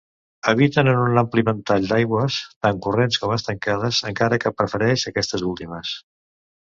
Habiten en un ampli ventall d'aigües, tant corrents com estancades, encara que prefereix aquestes últimes.